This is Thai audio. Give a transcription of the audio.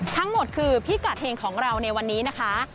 ทั้งหมดคือพิกัดเฮงของเราในวันนี้นะคะ